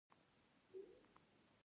د جراحي خونه د دقیقو پرېکړو ځای دی.